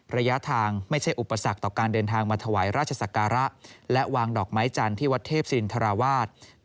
ระยะทางไม่ใช่อุปสรรคต่อการเดินทางมาถวายราชศักระและวางดอกไม้จันทร์ที่วัดเทพศินทราวาส